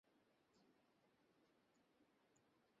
চুলার আঁচ মাঝারি থেকে কম, তবে মৃদু থেকে একটু বেশি হবে।